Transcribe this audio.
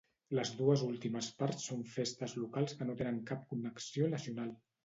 Les dues últimes parts són festes locals que no tenen cap connexió nacional.